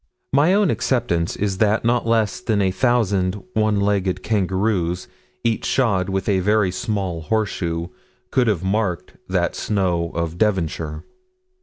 My own acceptance is that not less than a thousand one legged kangaroos, each shod with a very small horseshoe, could have marked that snow of Devonshire.